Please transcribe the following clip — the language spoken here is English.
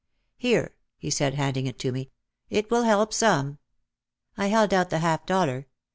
"Here," he said, hand ing it to me. "It will help some." I held out the half dollar.